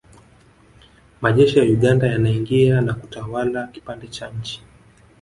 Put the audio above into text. Majeshi ya Uganda yanaingia na kutawala kipande cha nchi